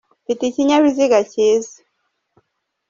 Mfite ikinyabiziga kiza.